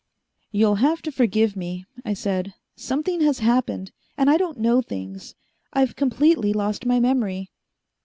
"You'll have to forgive me," I said. "Something has happened, and I don't know things. I've completely lost my memory."